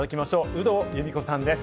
有働由美子さんです！